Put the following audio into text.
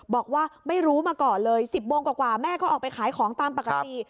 บอกว่าไม่รู้มาก่อนเลย๑๐โมงกว่าแม่ก็ออกไปขายของตามปกติ